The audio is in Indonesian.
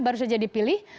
baru saja dipilih